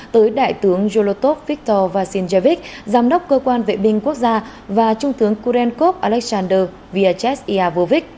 tới đại tướng yolotov viktor vasilyevich giám đốc cơ quan vệ binh quốc gia và trung tướng kurenkov alexander vyacheslavovich